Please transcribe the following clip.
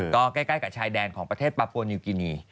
ก็ใกล้กับชายแดนของประเทศปาโปนิวกินี